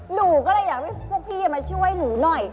หนูก็เลยอยากให้พวกพี่มาช่วยหนูหน่อย